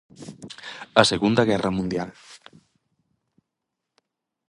A Segunda Guerra Mundial.